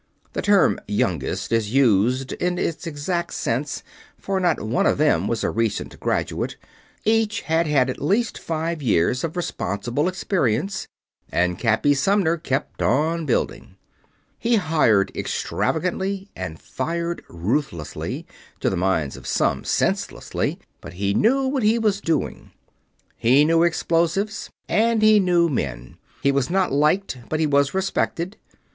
The term "youngest" is used in its exact sense, for not one of them was a recent graduate. Each had had at least five years of responsible experience, and "Cappy" Sumner kept on building. He hired extravagantly and fired ruthlessly to the minds of some, senselessly. But he knew what he was doing. He knew explosives, and he knew men. He was not liked, but he was respected.